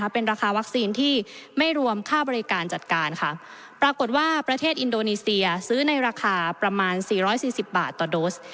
เป็นราคาวัคซีนที่ไม่รวมค่าบริการจัดการค่ะปรากฏว่าประเทศอินโดนีเซียซื้อในราคาประมาณ๔๔๐บาทต่อโดส